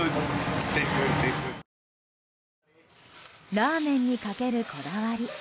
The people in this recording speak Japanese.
ラーメンにかけるこだわり。